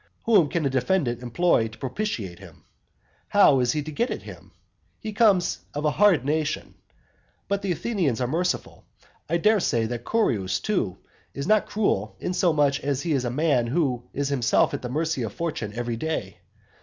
Whom can a defendant employ to propitiate him? How is he to get at him? He comes of a hard nation. But the Athenians are merciful. I dare say that Curius, too, is not cruel, inasmuch as he is a man who is himself at the mercy of fortune every day.